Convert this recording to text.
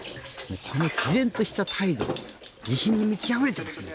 この毅然とした態度自信に満ちあふれてるんですね。